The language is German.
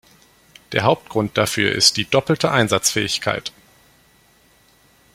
Der Hauptgrund dafür ist die doppelte Einsatzfähigkeit.